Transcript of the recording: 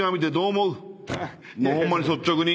ホンマに率直に。